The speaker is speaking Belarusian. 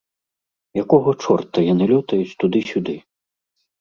Якога чорта яны лётаюць туды-сюды?